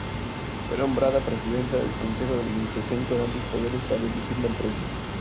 Fue nombrada presidenta del consejo de administración con amplios poderes para dirigir la empresa.